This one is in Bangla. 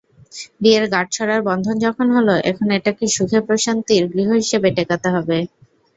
বিয়ের গাঁটছড়ার বন্ধন যখন হলো, এখন এটাকে সুখ–প্রশান্তির গৃহ হিসেবে টেকাতে হবে।